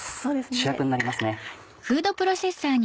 主役になりますね。